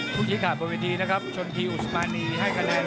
ผู้ชิดข่าดบริวิธีนะครับชนทีอุสมานีให้คะแนน